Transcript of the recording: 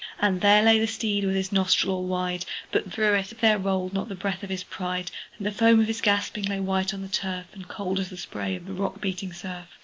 And there lay the steed with his nostril all wide, But through it there rolled not the breath of his pride; And the foam of his gasping lay white on the turf, And cold as the spray of the rock beating surf.